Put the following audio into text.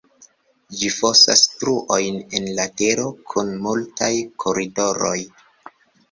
Ĝi fosas truojn en la tero kun multaj koridoroj.